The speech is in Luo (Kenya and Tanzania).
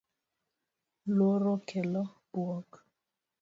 Luoro kelo bwok .